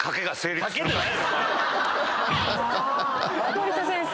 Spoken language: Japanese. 森田先生。